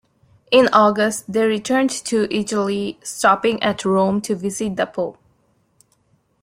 In August, they returned to Italy, stopping at Rome to visit the Pope.